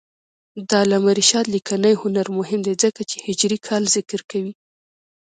د علامه رشاد لیکنی هنر مهم دی ځکه چې هجري کال ذکر کوي.